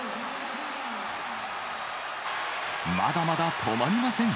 まだまだ止まりません。